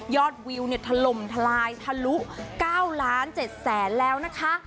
วิวถล่มทลายทะลุ๙ล้าน๗แสนแล้วนะคะ